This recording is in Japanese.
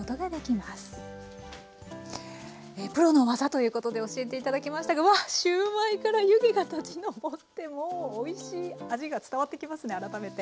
プロの技！ということで教えて頂きましたがうわっシューマイから湯気が立ち上ってもうおいしい味が伝わってきますね改めて。